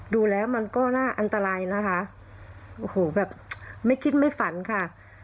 ดูแล้วมันก็น่าอันตรายนะคะโอ้โหแบบไม่คิดไม่ฝันค่ะ